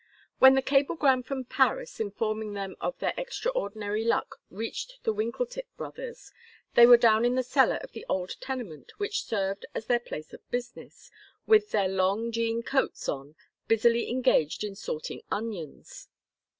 When the cablegram from Paris informing them of their extraordinary luck reached the Winkletip Brothers, they were down in the cellar of the old tenement which served as their place of business, with their long jean coats on, busily engaged in sorting onions.